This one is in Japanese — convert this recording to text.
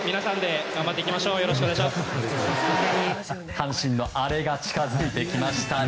阪神のあれが近づいてきましたね。